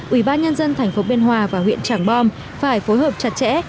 ủy ban nhân dân thành phố biên hòa và huyện trảng bom phải phối hợp chặt chẽ